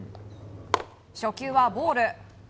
初球はボール。